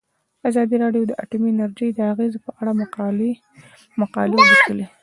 ازادي راډیو د اټومي انرژي د اغیزو په اړه مقالو لیکلي.